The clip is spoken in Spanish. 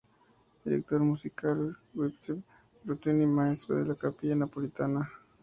Director musical: Giuseppe Brunetti Maestro de la Capilla Napolitana.